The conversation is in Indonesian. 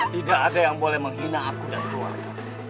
tidak ada yang boleh menghina aku dan keluarga